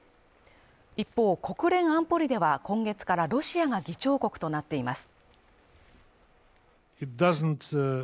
一方、国連安保理では今月からロシアが議長国となっています。